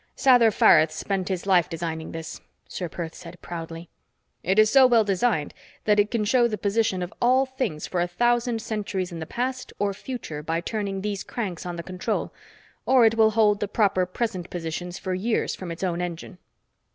"Sather Fareth spent his life designing this," Ser Perth said proudly. "It is so well designed that it can show the position of all things for a thousand centuries in the past or future by turning these cranks on the control, or it will hold the proper present positions for years from its own engine."